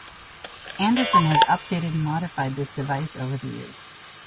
Anderson has updated and modified this device over the years.